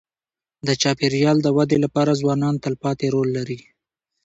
د چاپېریال د ودې لپاره ځوانان تلپاتې رول لري.